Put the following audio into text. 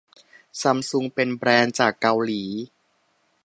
ซัมซุงเป็นแบรนด์จากเกาหลี